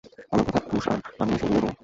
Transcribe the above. আমার বন্ধু কুশ আর আমি সেগুলো বানাই!